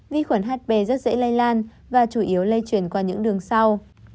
vi khuẩn hp rất dễ lây lan và chủ yếu lây chuyển qua những đường sau